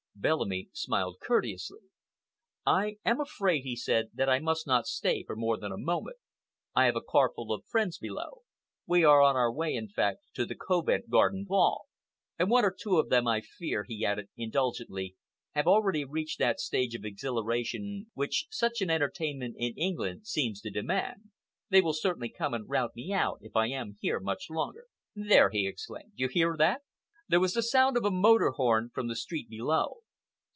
Bellamy smiled courteously. "I am afraid," he said, "that I must not stay for more than a moment. I have a car full of friends below—we are on our way, in fact, to the Covent Garden Ball—and one or two of them, I fear," he added indulgently, "have already reached that stage of exhilaration which such an entertainment in England seems to demand. They will certainly come and rout me out if I am here much longer. There!" he exclaimed, "you hear that?" There was the sound of a motor horn from the street below.